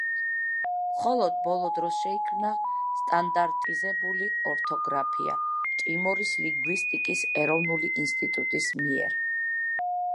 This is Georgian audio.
მხოლოდ ბოლო დროს შეიქმნა სტანდარტიზებული ორთოგრაფია ტიმორის ლინგვისტიკის ეროვნული ინსტიტუტის მიერ.